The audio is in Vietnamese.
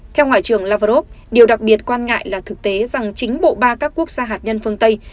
theo ngoại trưởng lavrov điều đặc biệt quan ngại là thực tế rằng chính bộ ba các quốc gia hạt nhân phương tây